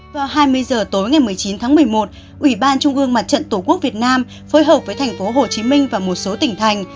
vào hai mươi h tối ngày một mươi chín tháng một mươi một ủy ban trung ương mặt trận tổ quốc việt nam phối hợp với thành phố hồ chí minh và một số tỉnh thành